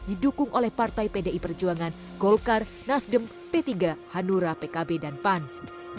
didukung oleh partai pdi perjuangan golkar nasdem p tiga hanura pkb dan pan